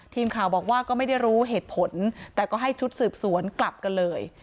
ทีมข่าวบอกว่าก็ไม่ได้รู้เหตุผลแต่ก็ให้ชุดสืบสวนกลับกันเลย